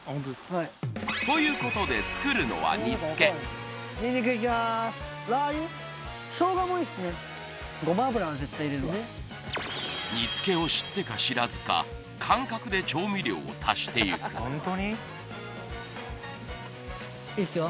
はいということで煮付けを知ってか知らずか感覚で調味料を足していくいいっすよ